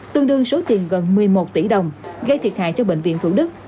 tương đương số tiền gần một mươi một tỷ đồng gây thiệt hại cho bệnh viện thủ đức